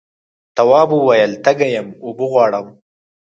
تواب وویل تږی یم اوبه غواړم.